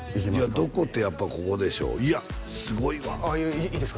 どこってやっぱここでしょいやすごいわああいいですか？